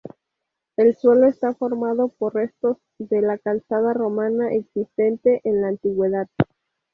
El suelo está formado por restos de la calzada romana existente en la antigüedad.